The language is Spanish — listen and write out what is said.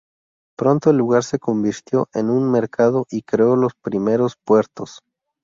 Pronto el lugar se convirtió en un mercado y creó los primeros puertos.